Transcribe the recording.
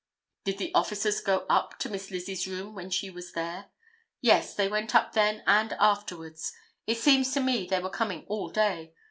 "Did the officers go up to Miss Lizzie's room when she was there?" "Yes; they went up then and afterwards. It seems to me they were coming all day.